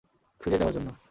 ফিরে যাওয়ার জন্য।